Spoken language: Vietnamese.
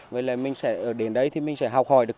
vậy là mình sẽ đến đấy thì mình sẽ học hỏi được